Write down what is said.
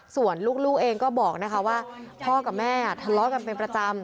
ส่วนลูกเองก็บอกนะคะว่าพ่อกับแม่ทะเลาะกันเป็นประจำ